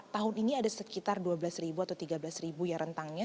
tahun ini ada sekitar dua belas atau tiga belas rentangnya